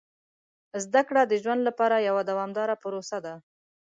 زده کړه د ژوند لپاره یوه دوامداره پروسه ده.